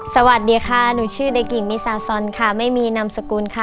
สวัสดีค่ะหนูชื่อเด็กหญิงมิซาซอนค่ะไม่มีนามสกุลค่ะ